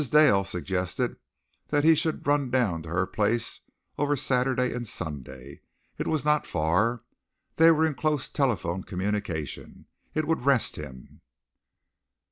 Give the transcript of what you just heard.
Dale suggested that he should run down to her place over Saturday and Sunday. It was not far. They were in close telephone communication. It would rest him.